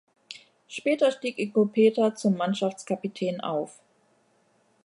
Später stieg Ingo Peter zum Mannschaftskapitän auf.